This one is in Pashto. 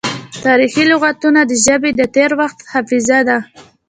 تاریخي لغتونه د ژبې د تیر وخت حافظه ده.